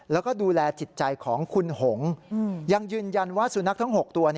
แล้วก็ดูแลจิตใจของคุณหงยังยืนยันว่าสุนัขทั้ง๖ตัว